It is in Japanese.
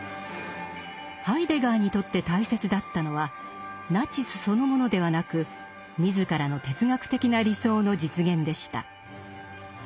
ハイデガーにとって大切だったのはナチスそのものではなく自らの哲学的な理想の実現でした。